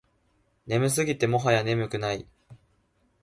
眠すぎてもはや眠くない